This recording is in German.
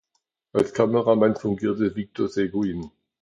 Als Kameramann fungierte Victor Seguin.